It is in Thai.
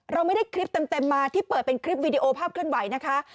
เราไม่ได้คลิปเต็มมาที่เปิดเป็นคลิปวีดีโอภาพเคลื่อนไหวนะคะ